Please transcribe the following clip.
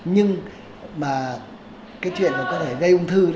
nhưng mà cái chuyện có thể gây ung thư